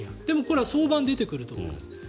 でも、これは早晩出てくると思います。